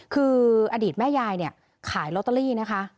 คืออดีตแม่ยายเนี่ยขายลอตเตอรี่นะคะ